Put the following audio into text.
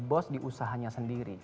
bos diusahanya sendiri